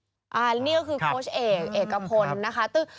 แล้วนี่ก็คือโคชเอกเอกกระพล